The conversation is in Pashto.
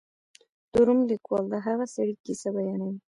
د روم لیکوال د هغه سړي کیسه بیانوي.